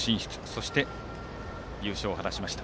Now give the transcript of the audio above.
そして優勝を果たしました。